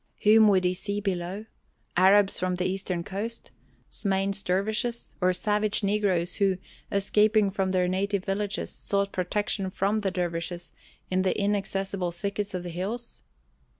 Whom would he see below? Arabs from the eastern coast? Smain's dervishes, or savage negroes who, escaping from their native villages, sought protection from the dervishes in the inaccessible thickets of the hills?